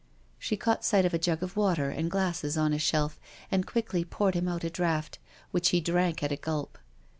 *' She caught sight of a jug of water and glasses on a shelf and quickly poured him out a draught, which he drank at a gulp.